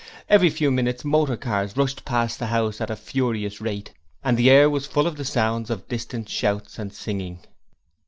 Every few minutes motor cars rushed past the house at a furious rate, and the air was full of the sounds of distant shouts and singing.